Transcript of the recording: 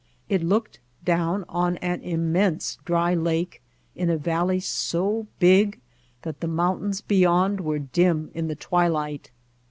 It looked down on an immense dry lake in a valley so big that the mountains beyond were dim in the twilight.